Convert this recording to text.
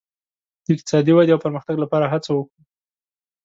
د اقتصادي ودې او پرمختګ لپاره هڅه وکړو.